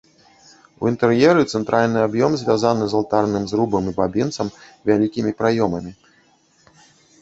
У інтэр'еры цэнтральны аб'ём звязаны з алтарным зрубам і бабінцам вялікім праёмамі.